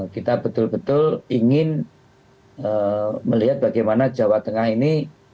kita betul betul ingin melihat bagaimana jawa tengah ini